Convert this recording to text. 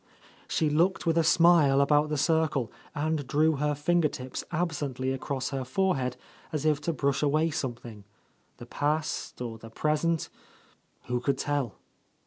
She looked with a smile about the circle, and drew her finger tips absently across her forehead as if to brush away something, — the past, or the present, who could tell?